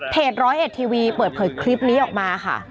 ร้อยเอ็ดทีวีเปิดเผยคลิปนี้ออกมาค่ะ